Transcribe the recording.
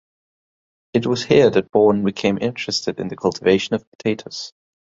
It was here that Bawden became interested in the cultivation of potatoes.